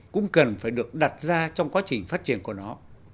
cũng cần phải được đặt ra trong quá trình phát triển của nó